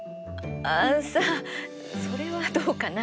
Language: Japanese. あさあそれはどうかな？